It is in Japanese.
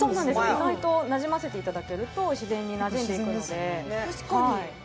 意外となじませていただけると自然にホント自然ですね